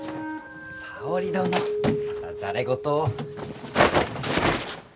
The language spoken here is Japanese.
沙織殿またざれ言を。